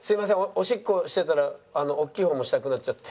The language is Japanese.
おしっこしてたら大きい方もしたくなっちゃって」。